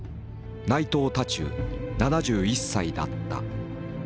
内藤多仲７１歳だった。